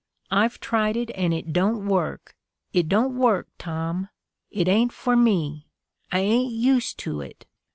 I've tried it and it don't work; it don't work, Tom. It ain't for me; I ain't used to it.